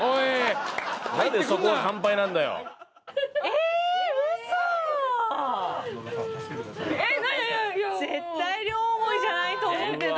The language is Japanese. えっ？